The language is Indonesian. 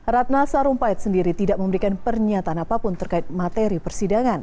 ratna sarumpait sendiri tidak memberikan pernyataan apapun terkait materi persidangan